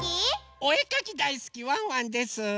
おえかきだいすきワンワンです！